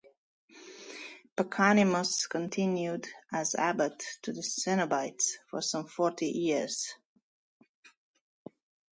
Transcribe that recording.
Pachomius continued as abbot to the cenobites for some forty years.